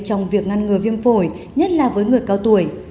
trong việc ngăn ngừa viêm phổi nhất là với người cao tuổi